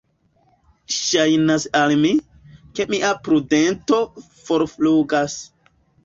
Ŝajnas al mi, ke mia prudento forflugas.